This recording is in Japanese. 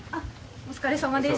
お疲れさまです。